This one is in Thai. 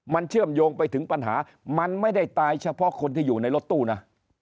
มันเชื่อมโยงไปถึงปัญหามันไม่ได้ตายเฉพาะคนที่อยู่ในรถตู้นะ